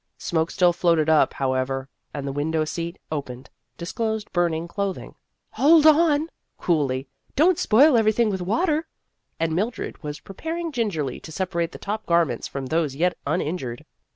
Smoke still floated up, however, and the window seat, opened, disclosed burning clothing. " Hold on !" coolly, "don't spoil every thing with water," and Mildred was prepar ing gingerly to separate the top garments from those yet uninjured.